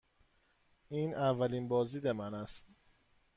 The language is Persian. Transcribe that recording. این اولین بازدید من است.